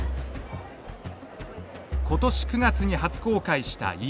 今年９月に初公開したＥＶ。